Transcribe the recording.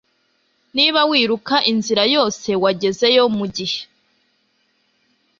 Niba wiruka inzira yose, wagezeyo mugihe.